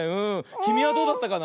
きみはどうだったかな？